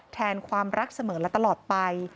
แทนความรักเสมอและตลอดไป